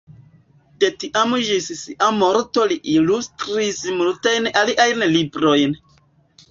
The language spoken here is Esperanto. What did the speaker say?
De tiam ĝis sia morto li ilustris multajn aliajn librojn.